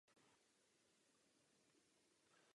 Dívčí i chlapecká škola tak byly umístěny do nové budovy.